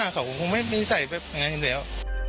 เขาก็คงไม่มีใจแบบนี้อย่างนั้นทีเดียว